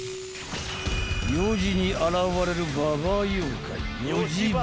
［４時に現れるババア妖怪］